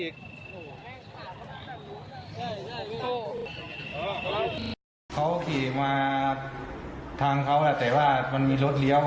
เขาขี่มาทางเขาแต่ว่ามันมีรถเลี้ยว